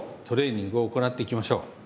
トレーニングを行っていきましょう。